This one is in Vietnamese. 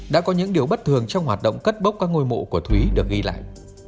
đã có những điều bất thường trong hoạt động cất bốc các ngôi mộ của thúy được ghi lại